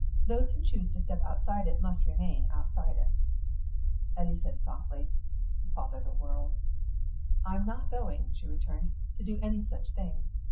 Those who choose to step outside it must remain outside it." Eddy said softly, "Bother the world!" "I'm not going," she returned, "to do any such thing.